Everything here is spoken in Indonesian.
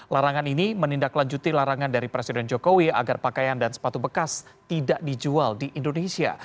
larangan ini menindaklanjuti larangan dari presiden jokowi agar pakaian dan sepatu bekas tidak dijual di indonesia